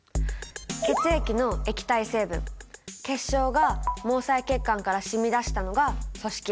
血液の液体成分血しょうが毛細血管から染み出したのが組織液。